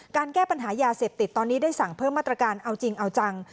แก้ปัญหายาเสพติดตอนนี้ได้สั่งเพิ่มมาตรการเอาจริงเอาจัง